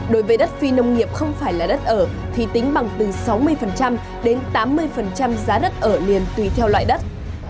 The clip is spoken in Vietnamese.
đối với đất phi nông nghiệp không phải là đất ở thì tính bằng từ sáu mươi đến tám mươi giá đất ở liền tùy theo loại đất